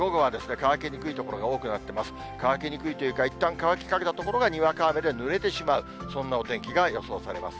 乾きにくいというか、いったん乾きかけたところがにわか雨でぬれてしまう、そんなお天気が予想されます。